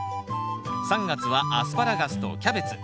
３月は「アスパラガス」と「キャベツ」。